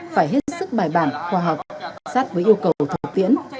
phải hết sức bài bản khoa học sát với yêu cầu thực tiễn